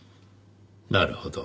なるほど。